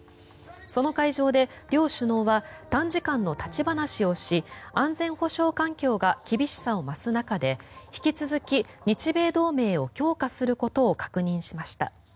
その会場で、両首脳は短時間の立ち話をし安全保障環境が厳しさを増す中で引き続き日米同盟を強化することを確認しました。